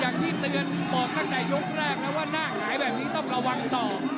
อย่างที่เตือนบอกตั้งแต่ยกแรกนะว่าหน้าหงายแบบนี้ต้องระวังศอก